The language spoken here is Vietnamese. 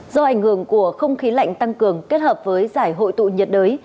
do ảnh hưởng của không khí lạnh tăng cường kết hợp với giải hội tụ nhiệt đới